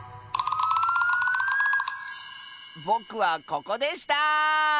ぼくはここでした！